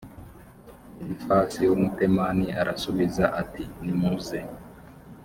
elifazi w umutemani arasubiza ati nimuze